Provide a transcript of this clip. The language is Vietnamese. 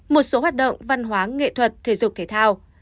một số hoạt động văn hóa nghệ thuật thể dục thể thao